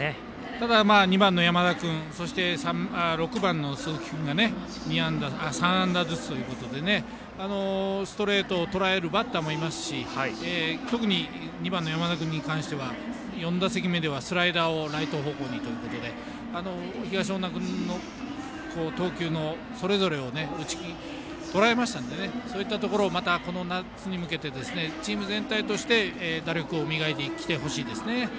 ただ、２番の山田君６番の鈴木君が３安打ずつということでストレートをとらえるバッターもいますし特に２番の山田君に関しては４打席目ではスライダーをライト方向にということで東恩納君の投球をそれぞれ、とらえましたのでそういったところをこの夏に向けてチーム全体として打力を磨いてきてほしいですね。